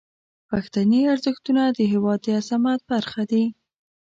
پښتني ارزښتونه د هیواد د عظمت برخه دي.